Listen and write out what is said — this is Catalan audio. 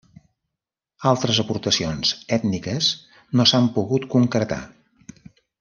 Altres aportacions ètniques no s'han pogut concretar.